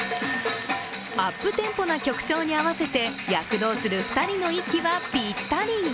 アップテンポな曲調に合わせて躍動する２人の息はぴったり。